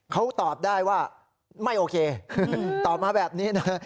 เขาตอบได้ว่าไม่โอเคตอบมาแบบนี้นะ